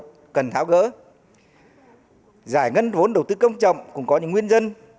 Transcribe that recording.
các vướng mắt cần tháo gỡ giải ngân vốn đầu tư công trọng cũng có những nguyên dân